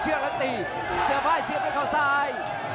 ต้องบอกว่าคนที่จะโชคกับคุณพลน้อยสภาพร่างกายมาต้องเกินร้อยครับ